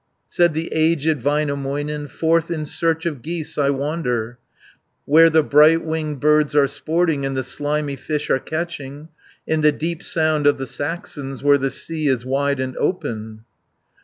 Said the aged Väinämöinen, "Forth in search of geese I wander, Where the bright winged birds are sporting, And the slimy fish are catching, In the deep sound of the Saxons, Where the sea is wide and open."